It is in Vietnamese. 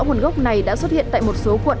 nguồn gốc này đã xuất hiện tại một số quận